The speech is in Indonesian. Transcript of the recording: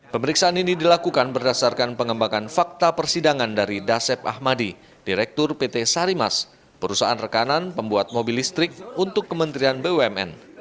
pemeriksaan ini dilakukan berdasarkan pengembangan fakta persidangan dari dasep ahmadi direktur pt sarimas perusahaan rekanan pembuat mobil listrik untuk kementerian bumn